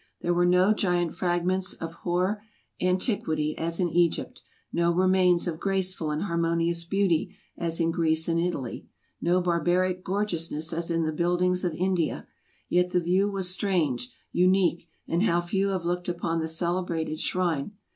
There were no giant fragments of hoar antiquity as in Egypt, no remains of graceful and harmonious beauty as in Greece and Italy, no barbaric gorgeousness as in the buildings of India; yet the view was strange, unique, and how few have looked upon the celebrated shrine